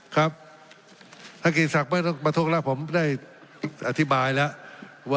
ครับถ้าเกษตรศักดิ์ไม่ต้องมาพบแล้วผมได้อธิบายแล้วว่า